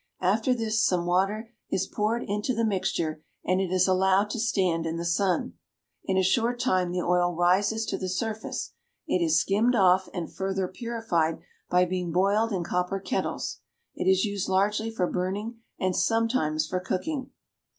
After this some water is poured into the mixture, and it is allowed to stand in the sun. In a short time the oil rises to the surface. It is skimmed off and fur ther purified by being boiled in copper ket tles. It is used large ly for burning and sometimes for cook ing.